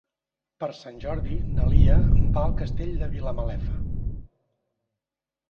Per Sant Jordi na Lia va al Castell de Vilamalefa.